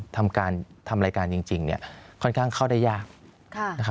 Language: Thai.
ทำการทำรายการจริงเนี่ยค่อนข้างเข้าได้ยาก